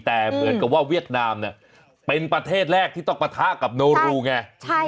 แต่เหมือนกับว่าเวียดนามเนี่ยเป็นประเทศแรกที่ต้องปะทะกับโนรูไง